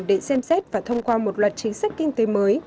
để xem xét và thông qua một loạt chính sách kinh tế mới